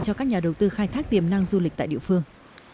cho các nhà đầu tư khai thác tiềm năng du lịch tại địa phương